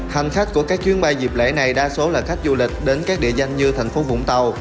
hành khách của các chuyến bay dịp lễ này đa số là khách du lịch đến các địa danh như thành phố vũng tàu